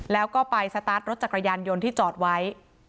แล้วก็ไปสตาร์ทรถจักรยานยนต์ที่จอดไว้